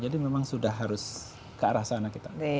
jadi memang sudah harus ke arah sana kita